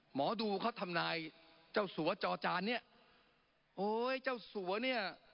หมอดูเขาทำนายเจ้าสัวจอจานเนี้ยโอ้ยเจ้าสัวเนี่ย